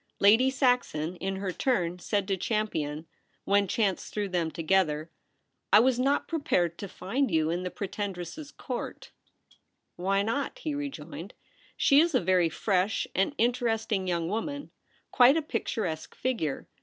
Lady Saxon, In her turn, said to Champion, when chance threw them to gether :* I was not prepared to find you in the Pretendress's Court.' VOL. I. I 8 274 THE REBEL ROSE. 'Why not?' he rejoined. 'She is a very fresh and Interesting young woman — quite a picturesque figure.